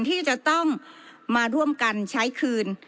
ที่จะต้องมาร่วมกันใช้คืน